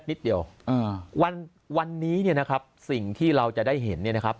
นิดเดียวอ่าวันวันนี้เนี่ยนะครับสิ่งที่เราจะได้เห็นเนี่ยนะครับ